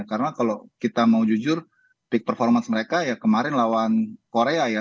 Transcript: karena kalau kita mau jujur peak performance mereka ya kemarin lawan korea ya